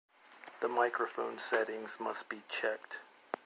The microphone settings must be checked.